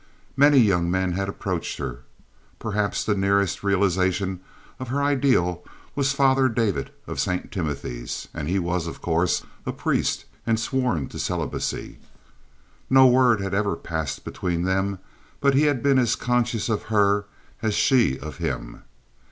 Many young men had approached her. Perhaps the nearest realization of her ideal was Father David, of St. Timothy's, and he was, of course, a priest and sworn to celibacy. No word had ever passed between them but he had been as conscious of her as she of him.